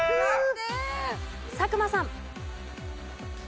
佐久間さん。